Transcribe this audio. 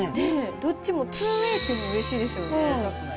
どっちも、２ウェイっていうのがうれしいですよね。